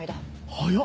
早っ！